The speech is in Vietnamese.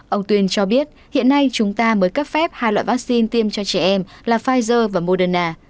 ông tuyên cho biết hiện nay chúng ta mới cấp phép hai loại vaccine tiêm cho trẻ em là pfizer và moderna